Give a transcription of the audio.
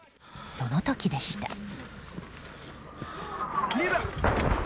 その時でした。